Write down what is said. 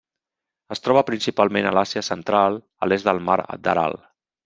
Es troba principalment a l'Àsia Central a l'est del mar d'Aral.